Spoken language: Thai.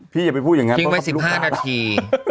พี่อย่าไปพูดอย่างงะเข้ามาสิบห้านาที